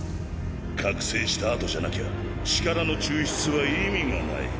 覚醒した後じゃなきゃ力の抽出は意味がない。